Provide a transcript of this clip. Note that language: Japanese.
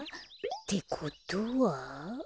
ってことは。